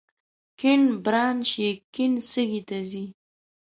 کیڼ برانش یې کیڼ سږي ته ځي.